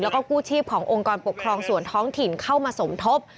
แล้วก็กู้ชีพขององค์กรปกครองส่วนท้องถิ่นเข้ามาสมทบ